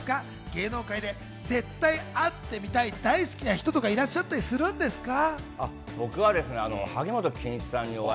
芸能界で絶対会ってみたい、大好きな人とかいらっしゃったりするんですか？